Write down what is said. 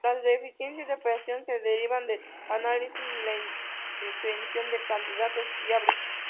Las deficiencias de operación se derivan del análisis y la indefinición de candidatos viables.